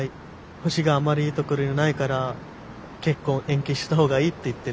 星があんまりいいところにないから結婚延期した方がいいって言ってる。